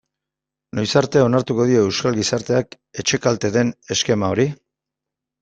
Noiz arte onartuko dio euskal gizarteak etxekalte den eskema hori?